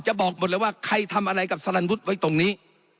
บอกหมดเลยว่าใครทำอะไรกับสลันวุฒิไว้ตรงนี้